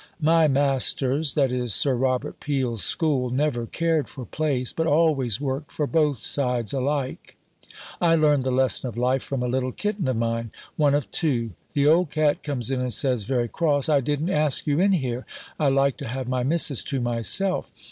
My masters that is, Sir Robert Peel's school, never cared for place, but always worked for both sides alike. I learn the lesson of life from a little kitten of mine, one of two. The old cat comes in and says, very cross, "I didn't ask you in here, I like to have my Missis to myself!"